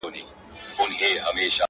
زه او زما ورته ياران ـ